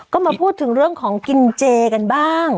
ก็มาพูดถึงเรื่องของกินเจกันบ้าง